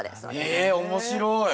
へえ面白い！